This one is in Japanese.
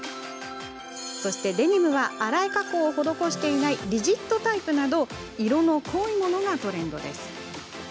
デニムは洗い加工を施していないリジットタイプなど色の濃いものがトレンドです。